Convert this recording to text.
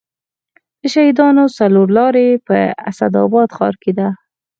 د شهیدانو څلور لارې په اسداباد ښار کې ده